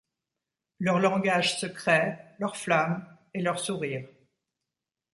Leur langage secret, leur flamme, et leur sourire